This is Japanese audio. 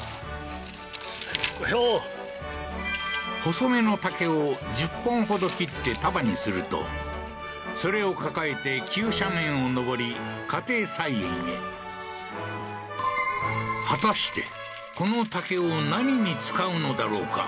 細めの竹を１０本ほど切って束にするとそれを抱えて急斜面を上り家庭菜園へ果たしてこの竹を何に使うのだろうか？